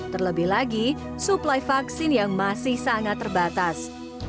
terlebih lagi suplai vaksin yang masih sangat terbatas